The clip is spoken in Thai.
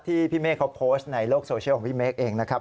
พี่เมฆเขาโพสต์ในโลกโซเชียลของพี่เมฆเองนะครับ